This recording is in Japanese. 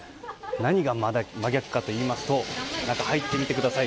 何が真逆かといいますと中、入ってみてください。